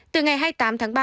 từ ngày hai mươi tám tháng ba